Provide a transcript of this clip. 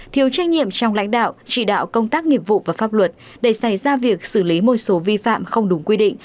thiếu trách nhiệm trong lãnh đạo chỉ đạo công tác nghiệp vụ và pháp luật để xảy ra việc xử lý một số vi phạm không đúng quy định